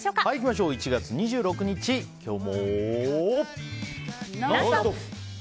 １月２６日、今日も。